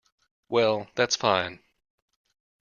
Well, that's fine.